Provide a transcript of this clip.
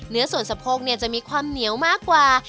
เนื้อส่วนสะโพกจะมีความเหนียวมากกว่า